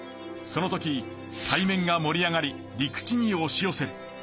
その時海面がもり上がり陸地におしよせる。